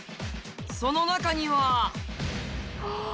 その中にはあぁ。